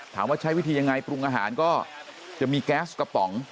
ใช้วิธียังไงปรุงอาหารก็จะมีแก๊สกระป๋อง